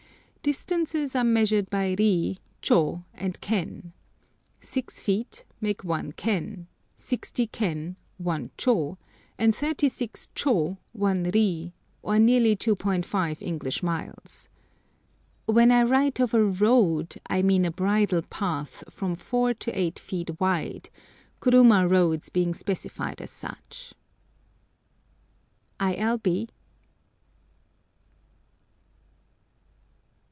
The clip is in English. Distances are measured by ri, chô, and ken. Six feet make one ken, sixty ken one chô, and thirty six chô one ri, or nearly 2½ English miles. When I write of a road I mean a bridle path from four to eight feet wide, kuruma roads being specified as such. I. L. B.